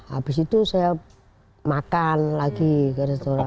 habis itu saya makan lagi ke restoran